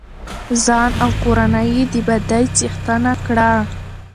ځان او کورنۍ يې د بدۍ څښتنه کړه.